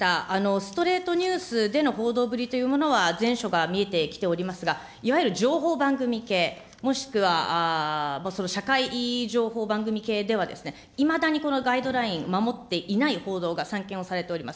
ストレートニュースでの報道ぶりというのは、善処が見えてきておりますが、いわゆる情報番組系、もしくは社会情報番組系では、いまだにこのガイドライン、守っていない報道が散見をされております。